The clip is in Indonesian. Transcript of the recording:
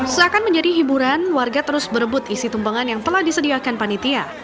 seakan menjadi hiburan warga terus berebut isi tumpengan yang telah disediakan panitia